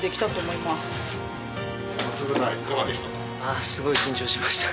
あっすごく緊張しました。